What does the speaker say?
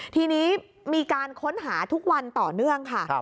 ทีนี้มีการค้นหาทุกวันต่อเนื่องค่ะ